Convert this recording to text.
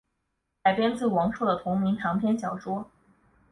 改编自王朔的同名长篇小说。